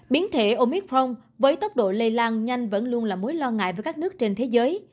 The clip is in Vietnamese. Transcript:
biến thể omicron với tốc độ lây lan nhanh vẫn luôn là mối lo ngại với các nước trên thế giới